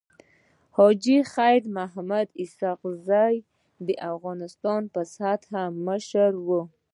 حاجي خير محمد اسحق زی د افغانستان په سطحه مشر وو.